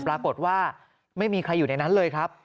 ปรากฏว่าไม่มีใครอยู่ในนั้นเลยครับ